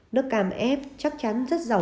nước cam ép chắc chắn rất giàu